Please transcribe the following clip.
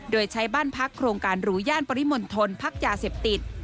โดยใช้บ้านพักโครงการหรูย่านปริมณฑลพักยาเสพติด